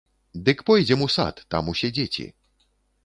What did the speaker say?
Дык пойдзем у сад, там усе дзеці.